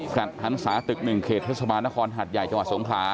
หันศาตึก๑เขตเทศบาลนครหัดใหญ่จังหวัดสงขลา